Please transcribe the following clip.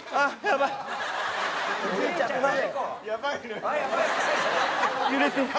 「やばいね」